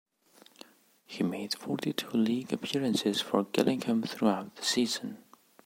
He made forty-two league appearances for Gillingham throughout the season.